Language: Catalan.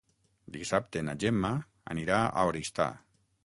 Dissabte na Gemma anirà a Oristà.